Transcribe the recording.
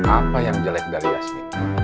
apa yang jelek dari asmi